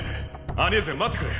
アニェーゼ待ってくれ。